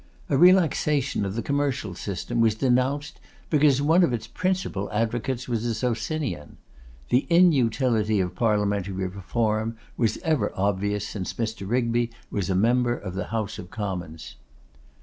A relaxation of the commercial system was denounced because one of its principal advocates was a Socinian. The inutility of Parliamentary Reform was ever obvious since Mr. Rigby was a member of the House of Commons.